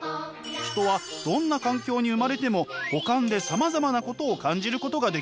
人はどんな環境に生まれても五感でさまざまなことを感じることができます。